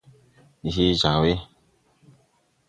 Ndi hee jag we.